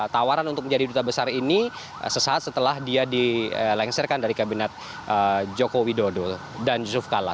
tawaran untuk menjadi duta besar ini sesaat setelah dia dilengsarkan dari kabinet joko widodo dan yusuf kalla